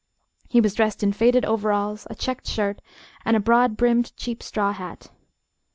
He was dressed in faded overalls, a checked shirt and a broad brimmed cheap straw hat.